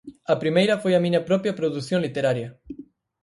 A primeira foi a miña propia produción literaria.